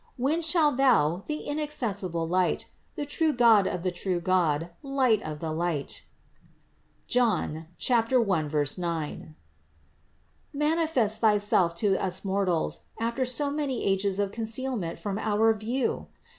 When shalt Thou, the inaccessible light, the true God of the true God, Light of the Light (John 1, 9), manifest Thyself to us mortals, after so many ages of concealment from our view?